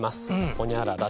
「ホニャララ」。